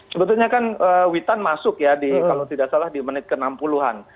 sebetulnya kan witan masuk ya kalau tidak salah di menit ke enam puluh an